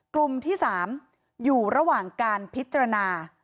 กลุ่มที่๓อยู่ระหว่างการพิจารณา